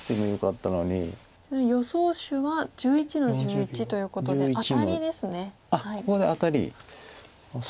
ちなみに予想手は１１の十一ということでアタリです。